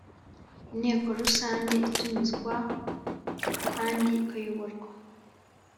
Inteko rusange itumizwa kandi ikayoborwa